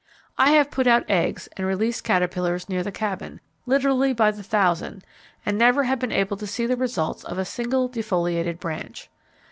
I have put out eggs, and released caterpillars near the Cabin, literally by the thousand, and never have been able to see the results by a single defoliated branch.